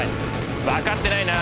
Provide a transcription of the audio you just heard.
分かってないな。